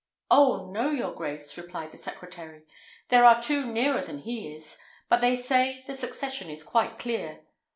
"Oh, no! your grace," replied the secretary; "there are two nearer than he is. But they say the succession is quite clear.